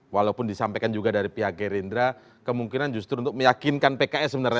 walaupun disampaikan juga dari pihak gerindra kemungkinan justru untuk meyakinkan pks sebenarnya